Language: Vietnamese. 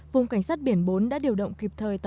vùng cảnh sát biển bốn đã điều động kịp thời